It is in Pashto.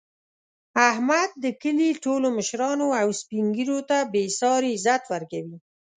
احمد د کلي ټولو مشرانو او سپین ږېرو ته بې ساري عزت ورکوي.